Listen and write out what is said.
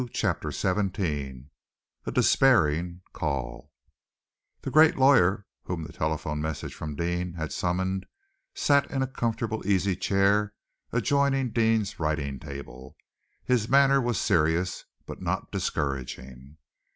CHAPTER XVII A DESPAIRING CALL The great lawyer whom the telephone message from Deane had summoned sat in a comfortable easy chair adjoining Deane's writing table. His manner was serious, but not discouraging.